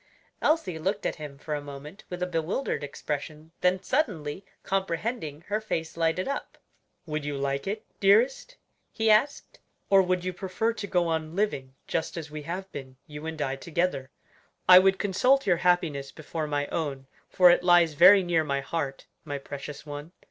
Elsie looked at him for a moment with a bewildered expression; then suddenly comprehending, her face lighted up. "Would you like it, dearest?" he asked; "or would you prefer to go on living just as we have been, you and I together? I would consult your happiness before my own, for it lies very near my heart, my precious one.